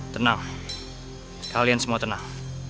tenang kalian semua tenang